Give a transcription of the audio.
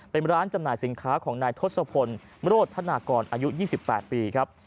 เป็นร้านจำหน่ายสินค้าของนายทศพลโรธนากรอายุ๒๘ปีครับ